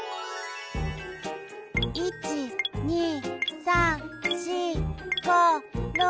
１２３４５６。